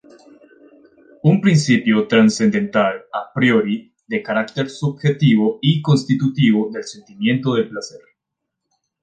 Un principio "trascendental" a priori, de carácter "subjetivo" y "constitutivo" del sentimiento del placer.